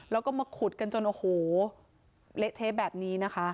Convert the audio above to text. แล้วก็มาขุดกันจนโอ้โหเละเทะแบบนี้นะคะ